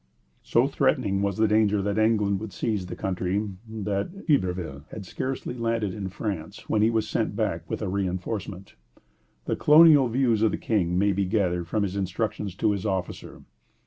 So threatening was the danger that England would seize the country, that Iberville had scarcely landed in France when he was sent back with a reinforcement. The colonial views of the King may be gathered from his instructions to his officer.